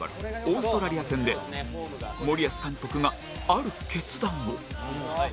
オーストラリア戦で森保監督がある決断を